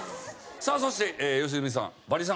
さあそして良純さんバリ３。